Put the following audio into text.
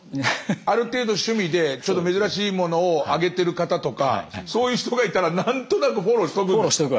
ある程度趣味でちょっと珍しいものを上げてる方とかそういう人がいたら何となくフォローしとく。